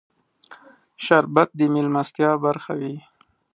شربت د مېلمستیا برخه وي